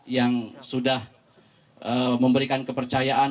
yang sudah memberikan kepercayaan